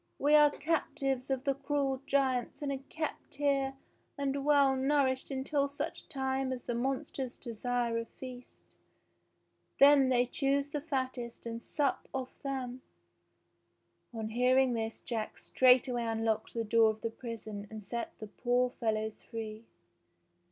"We are cap tives of the cruel giants and are kept here and well nourished until such time as the monsters desire a feast. Then they choose the fattest and sup off them." On hearing this Jack straightway unlocked the door of the prison and set the poor fellows free.